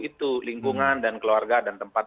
itu lingkungan dan keluarga dan tempat